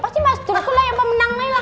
pasti mas dulguku lah yang mau menang nih lah